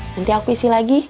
nanti aku isi lagi